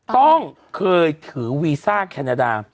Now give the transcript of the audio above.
ต้องเคยถือวีซ่าแคนาดา